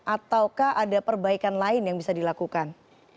ataukah ada perbaikan lain yang bisa dilakukan